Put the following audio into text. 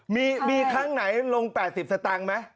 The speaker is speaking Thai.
มีครั้งไหนลง๘๐สตางค์ไหม